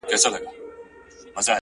• قلم د زلفو يې د هر چا زنده گي ورانوي؛